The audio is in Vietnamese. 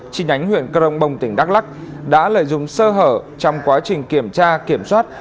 chính ánh huyện crong bong tỉnh đắk lắc đã lợi dụng sơ hở trong quá trình kiểm tra kiểm soát